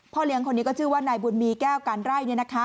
เลี้ยงคนนี้ก็ชื่อว่านายบุญมีแก้วการไร่